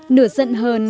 nửa giận hờn